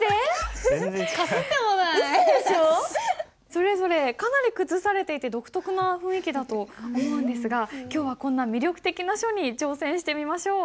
それぞれかなり崩されていて独特な雰囲気だと思うんですが今日はこんな魅力的な書に挑戦してみましょう。